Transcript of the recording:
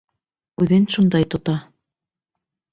Үҙен шундай тота.